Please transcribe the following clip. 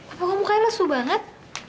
apa gue mukanya lesu banget